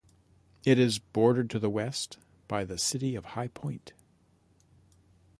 It is bordered to the west by the city of High Point.